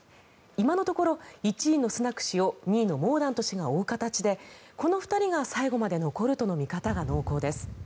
今のところ１位のスナク氏を２位のモーダント氏が追う形でこの２人が最後まで残るとの見方が濃厚です。